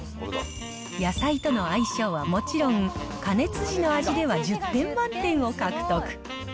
野菜との相性はもちろん、加熱時の味では１０点満点を獲得。